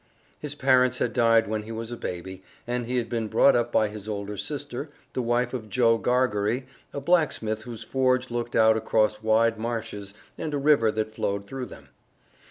His parents had died when he was a baby, and he had been brought up by his older sister, the wife of Joe Gargery, a blacksmith whose forge looked out across wide marshes and a river that flowed through them.